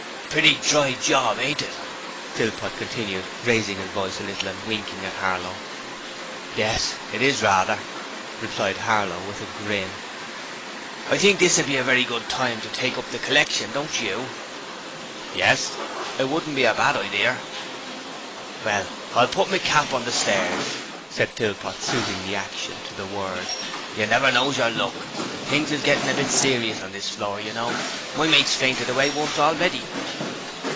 'Pretty dry job, ain't it?' Philpot continued, raising his voice a little and winking at Harlow. 'Yes, it is, rather,' replied Harlow with a grin. 'I think this would be a very good time to take up the collection, don't you?' 'Yes, it wouldn't be a bad idear.' 'Well, I'll put me cap on the stairs,' said Philpot, suiting the action to the word. 'You never knows yer luck. Things is gettin' a bit serious on this floor, you know; my mate's fainted away once already!'